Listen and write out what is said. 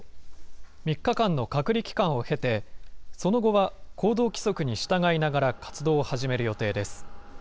３日間の隔離期間を経て、その後は行動規則に従いながら、活動を始める予定です。